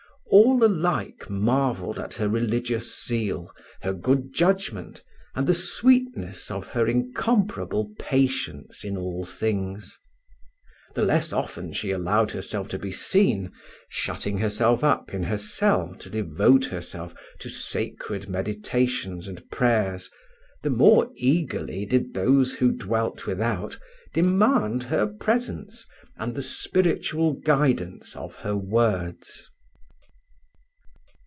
All alike marvelled at her religious zeal, her good judgment and the sweetness of her incomparable patience in all things. The less often she allowed herself to be seen, shutting herself up in her cell to devote herself to sacred meditations and prayers, the more eagerly did those who dwelt without demand her presence and the spiritual guidance of her words.